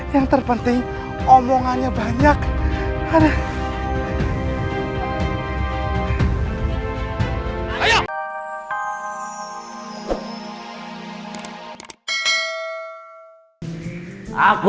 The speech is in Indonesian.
yang terpenting omongannya banyak